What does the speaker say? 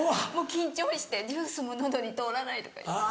緊張してジュースも喉に通らないとか。